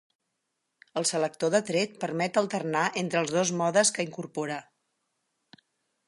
El selector de tret permet alternar entre els dos modes que incorpora.